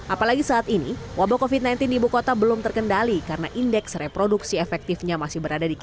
apalagi saat ini wabah covid sembilan belas di ibu kota belum terkendali karena indeks reproduksi efektifnya masih berada di kota